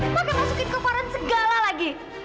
maka masukin keperan segala lagi